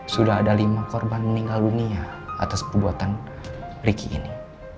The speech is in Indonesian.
sudah ada lima korban meninggal dunia atas perbuatan ricky ini